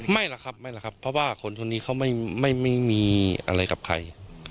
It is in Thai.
ไม่หรอกครับไม่หรอกครับเพราะว่าคนคนนี้เขาไม่มีอะไรกับใคร